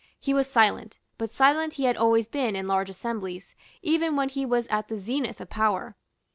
He was silent; but silent he had always been in large assemblies, even when he was at the zenith of power.